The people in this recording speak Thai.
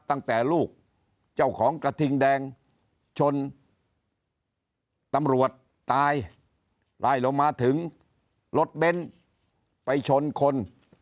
ตั้งแต่ลูกเจ้าของกระทิงแดงชนตำรวจตายไล่ลงมาถึงรถเบ้นไปชนคน